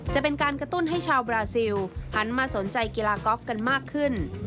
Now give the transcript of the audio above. จะเป็นการกระตุ้นให้ชาวบราซิลหันมาสนใจกีฬากอล์ฟกันมากขึ้น